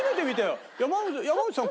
山内さん